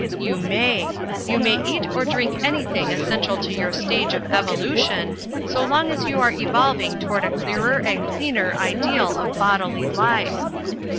You may. You may eat or drink anything essential to your stage of evolution, so long as you are evolving toward a clearer and cleaner ideal of bodily life.